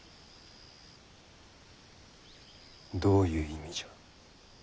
どういう意味じゃ。